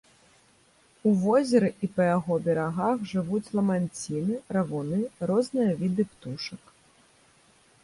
У возеры і па яго берагах жывуць ламанціны, равуны, розныя віды птушак.